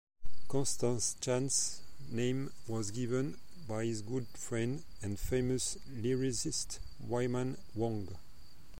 Constance Chan's name was given by his good friend and famous lyricist Wyman Wong.